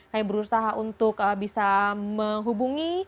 saya berusaha untuk bisa menghubungi